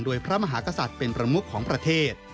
โดยพระมหากษัตริย์เป็นประมุขของประเทศ